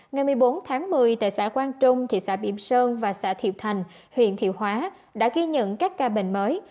ngày một mươi bốn tháng một mươi tại xã quang trung thị xã biểm sơn và xã thiệu thành huyện thiệu hóa đã ghi nhận các ca bệnh mới